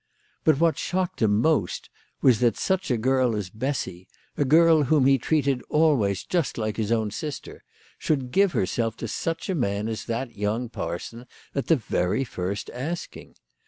But what shocked him most was that such a girl as Bessy, a girl whom he treated always just like his own sister, should give herself to such a man as that young parson at the very first asking